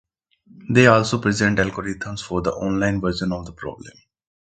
They also present algorithms for the "online" version of the problem.